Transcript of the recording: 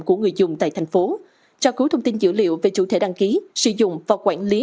của người dùng tại thành phố tra cứu thông tin dữ liệu về chủ thể đăng ký sử dụng và quản lý